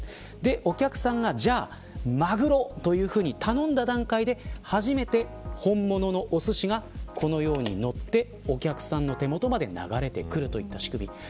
お客さんが、じゃあマグロというふうに頼んだ段階で初めて本物のおすしがこのように、のってお客さんの手元まで流れてくるといった仕組み。